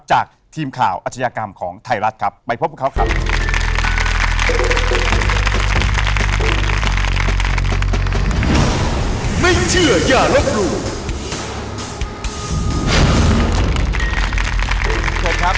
จากทีมข่าวอาชญากรรมของไทยรัฐครับไปพบกับเขาครับ